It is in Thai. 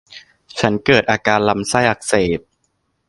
ฉันเกิดอาการลำไส้อักเสบ